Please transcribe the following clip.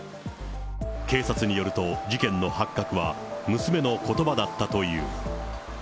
警察によると、事件の発覚は娘のことばだったという。